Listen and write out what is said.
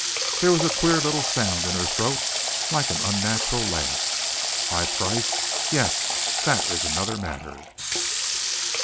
There was a queer little sound in her throat, like an unnatural laugh. "My price! Yes, that is another matter!"